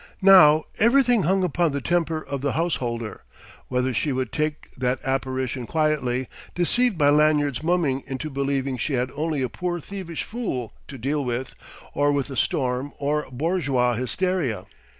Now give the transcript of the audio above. Now everything hung upon the temper of the house holder, whether she would take that apparition quietly, deceived by Lanyard's mumming into believing she had only a poor thievish fool to deal with, or with a storm of bourgeois hysteria.